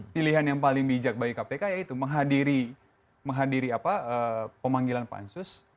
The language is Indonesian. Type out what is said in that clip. pilihan yang paling bijak bagi kpk yaitu menghadiri pemanggilan pansus